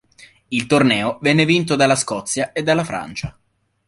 Il torneo venne vinto dalla Scozia e dalla Francia.